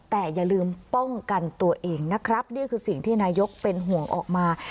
แต่อย่าลืมป้องกันตัวเองนะครับนี่คือสิ่งที่นายกเป็นห่วงออกมา